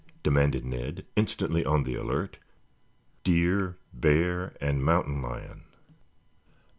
demanded Ned, instantly on the alert. "Deer, bear and mountain lion."